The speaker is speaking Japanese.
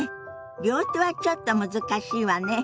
両手はちょっと難しいわね。